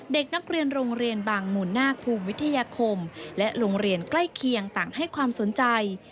เด็กนักเรียนโรงเรียนบางหมู่นาคภูมิวิทยาคมและโรงเรียนใกล้เคียงต่างให้ความสนใจ